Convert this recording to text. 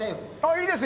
いいですよ。